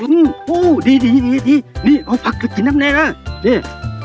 อืมโหดีดีดีดีนี่เอาพักกับจิน้ำแน่น่ะนี่